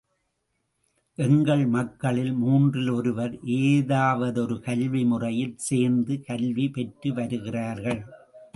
எங்கள் மக்களில் மூன்றில் ஒருவர் ஏதாவதொரு கல்வி முறையில் சேர்ந்து கல்வி பெற்று வருகிறார்கள்.